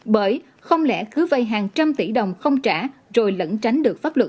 bởi không lẽ cứ vây hàng trăm tỷ đồng không trả rồi lẫn tránh được pháp luật